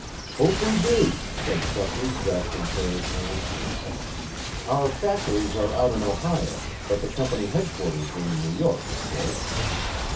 "Hope we do!" said Shepley, grasping Prale's hand. "Our factories are out in Ohio, but the company headquarters are in New York, of course.